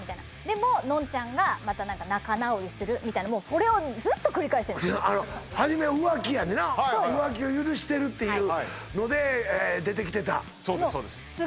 でものんちゃんがまた何か仲直りするみたいなそれをずっと繰り返してる初めは浮気やねな浮気を許してるっていうので出てきてたそうです